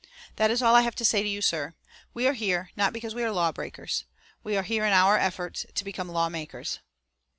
"That is all I have to say to you, sir. We are here, not because we are law breakers; we are here in our efforts to become law makers."